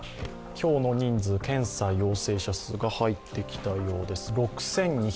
今日の人数、検査陽性者数が入ってきたようです。